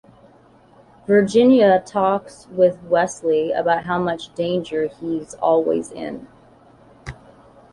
Virginia talks with Wesley about how much danger he's always in.